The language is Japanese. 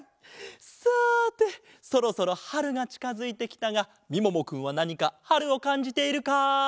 さてそろそろはるがちかづいてきたがみももくんはなにかはるをかんじているかい？